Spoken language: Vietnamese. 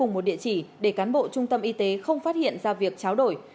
một địa chỉ để cán bộ trung tâm y tế không phát hiện ra việc cháo đổi